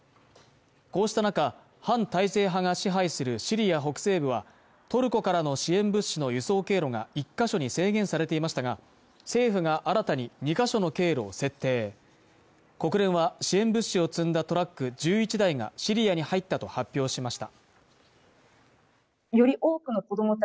こうした中反体制派が支配するシリア北西部はトルコからの支援物資の輸送経路が１か所に制限されていましたが政府が新たに２カ所の経路を設定国連は支援物資を積んだトラック１１台がシリアに入ったと発表しました